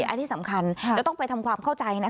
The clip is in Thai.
อันนี้สำคัญจะต้องไปทำความเข้าใจนะคะ